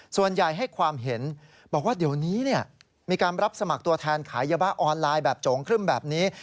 ส่วนใหญ่ให้ความเห็นบอกว่าเดี๋ยวนี้มีการรับสมัครตัวแทนขายยาบ้าออนไลน์แบบโจงครึ่มแบบนี้